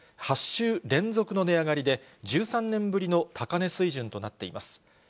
８週連続の値上がりで、１３年ぶりの高値水準となっています。